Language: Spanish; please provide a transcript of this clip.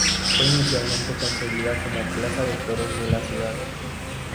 Fue inicialmente concebida como plaza de toros de la ciudad.